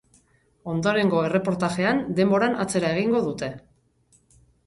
Ondorengo erreportajean denboran atzera egingo dute.